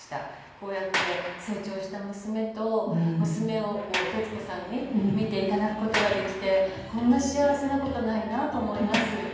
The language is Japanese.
こうやって成長した娘と娘を徹子さんに見て頂く事ができてこんな幸せな事ないなと思います。